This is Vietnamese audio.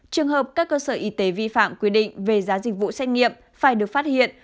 trường hợp các cơ sở y tế vi phạm quy định về giá dịch vụ xét nghiệm phải được phát hiện